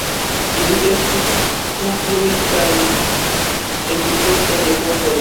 Ili estis konstruitaj en diversaj epokoj.